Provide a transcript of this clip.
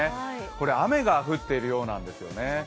これ、雨が降っているようなんですよね。